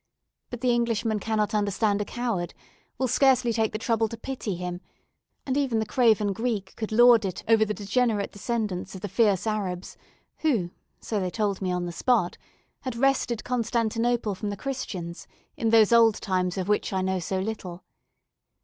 But the Englishman cannot understand a coward will scarcely take the trouble to pity him; and even the craven Greek could lord it over the degenerate descendants of the fierce Arabs, who so they told me on the spot had wrested Constantinople from the Christians, in those old times of which I know so little.